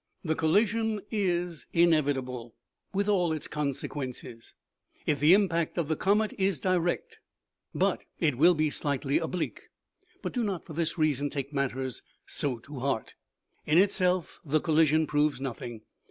The collision, is inevit able, with all its consequences, if the impact of the comet is direct ; but it will be slightly oblique. But do not for this reason, take matters so to heart. In itself the collision proves nothing.